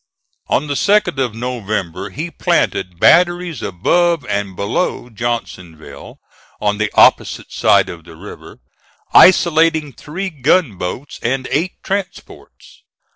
On the 2d of November he planted batteries above and below Johnsonville, on the opposite side of the river, isolating three gunboats and eight transports.